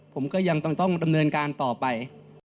ผมก็ยังต้องดำเนินการต่อไป